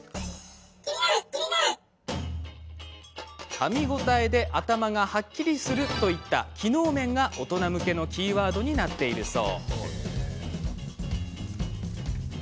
かみ応えで頭がはっきりするといった機能面が大人向けのキーワードになっているそう。